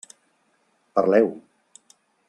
Parleu.